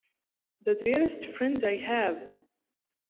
The dearest friend I have!